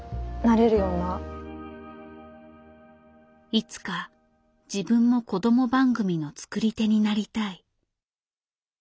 いつか自分も子ども番組の作り手になりたい。